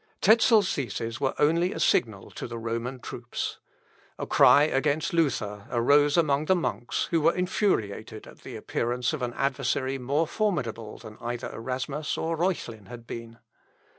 Tezel's theses were only a signal to the Roman troops. A cry against Luther arose among the monks, who were infuriated at the appearance of an adversary more formidable than either Erasmus or Reuchlin had been.